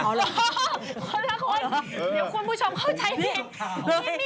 คนละคนเดี๋ยวคุณผู้ชมเข้าใจผิด